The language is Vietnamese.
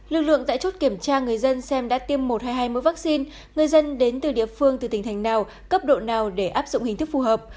lực lượng tại chốt kiểm tra người dân xem đã tiêm một hay hai mẫu vaccine người dân đến từ địa phương từ tỉnh thành nào cấp độ nào để áp dụng hình thức phù hợp